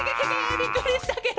びっくりしたケロ！